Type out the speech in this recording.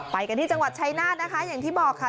ไปกันที่จังหวัดชายนาฏนะคะอย่างที่บอกค่ะ